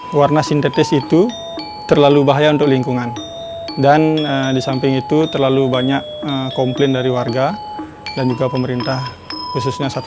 pewarna sintetis itu terlalu bahaya untuk lingkungan dan di samping itu terlalu banyak komplain dari warga dan juga pemerintah khususnya satu